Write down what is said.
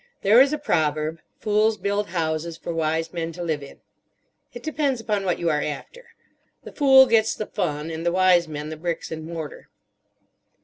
There is a proverb: "Fools build houses for wise men to live in." It depends upon what you are after. The fool gets the fun, and the wise men the bricks and mortar.